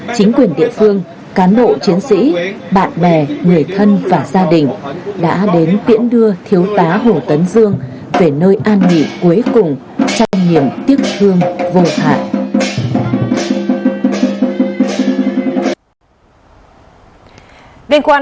chính quyền địa phương cán bộ chiến sĩ bạn bè người thân và gia đình đã đến tiễn đưa thiếu tá hồ tấn dương về nơi an nghỉ cuối cùng trong niềm tiếc thương vô hạn